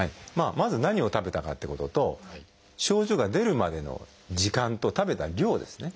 まず何を食べたかっていうことと症状が出るまでの時間と食べた量ですね。